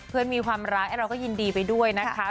มีความรักเราก็ยินดีไปด้วยนะคะ